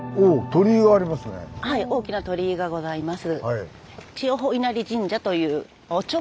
はい大きな鳥居がございます。